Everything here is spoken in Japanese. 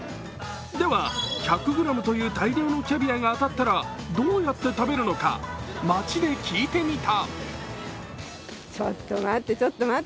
では、１００ｇという大量のキャビアが当たったらどうやって食べるのか街で聞いてみた。